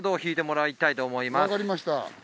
分かりました。